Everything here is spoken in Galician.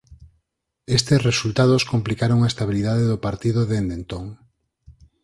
Estes resultados complicaron a estabilidade do partido dende entón.